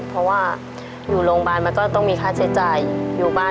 เพราะว่าอยู่โรงพยาบาลมันก็ต้องมีค่าใช้จ่ายอยู่บ้าน